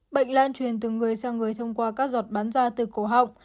bệnh lan truyền từ người sang người thông qua các giọt bán ra từ cổ họng